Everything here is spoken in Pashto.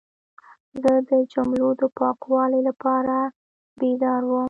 زه د جملو د پاکوالي لپاره بیدار وم.